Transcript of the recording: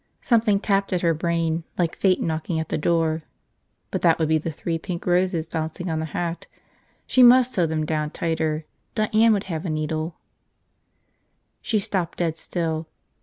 Something tapped at her brain like fate knocking at the door – but that would be the three pink roses bouncing on the hat. She must sew them down tighter. Diane would have a needle ... She stopped dead still.